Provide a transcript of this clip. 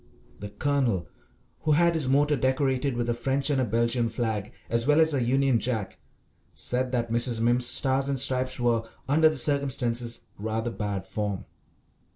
The Colonel, who had his motor decorated with a French and a Belgian flag as well as a Union Jack, said that Mrs. Mimms's Stars and Stripes were, under the circumstances, rather bad form.